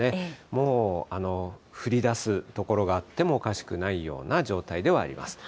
もう降りだす所があってもおかしくないような状態ではあります。